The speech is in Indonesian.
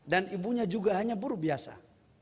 dan ibunya juga hanya buru biasa